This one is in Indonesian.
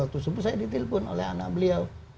waktu subuh saya di telpon oleh anak beliau